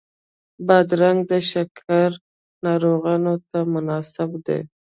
بادرنګ د شکر ناروغانو ته مناسب دی.